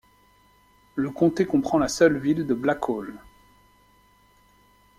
Le comté comprend la seule ville de Blackall.